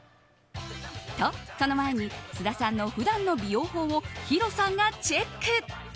と、その前に須田さんの普段の美容法をヒロさんがチェック。